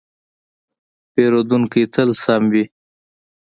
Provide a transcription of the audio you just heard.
پیرودونکی تل سم وي.